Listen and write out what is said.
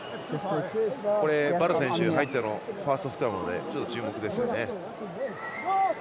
ヴァル選手入ってのファーストスクラム注目ですね。